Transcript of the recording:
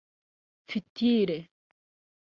Future